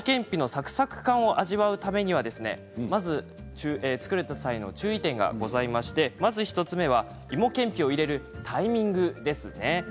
サクサク感を味わうためには作る際の注意点がございましてまず１つ目はいもけんぴを入れるタイミングですね。